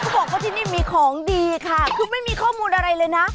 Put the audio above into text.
บอกว่าที่นี่มีของดีค่ะคือไม่มีข้อมูลอะไรเลยนะ